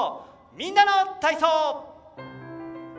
「みんなの体操」！